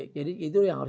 jadi itu yang harus